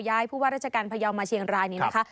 ผู้ว่าราชการพยาวมาเชียงรายนี้นะคะ